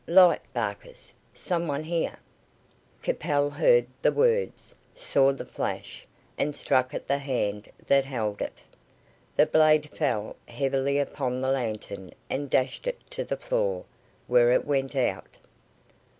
"Light! Barkers! Some one here." Capel heard the words, saw the flash, and struck at the hand that held it. The blade fell heavily upon the lantern and dashed it to the floor, where it went out.